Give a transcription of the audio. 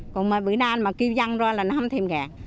còn bữa nay mà kêu văn ra là nó không thêm gạt